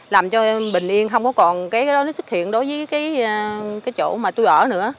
làm cho em bình yên không có còn cái đó nó xuất hiện đối với cái chỗ mà tôi ở nữa